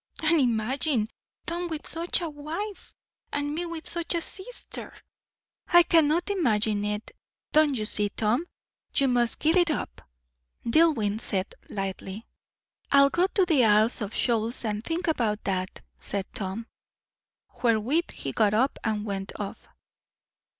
And imagine Tom with such a wife! and me with such a sister!" "I cannot imagine it. Don't you see, Tom, you must give it up?" Dillwyn said lightly. "I'll go to the Isles of Shoals and think about that," said Tom. Wherewith he got up and went off.